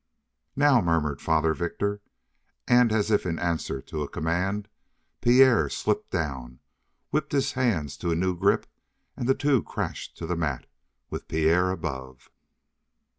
"Now!" murmured Father Victor; and as if in answer to a command, Pierre slipped down, whipped his hands to a new grip, and the two crashed to the mat, with Pierre above.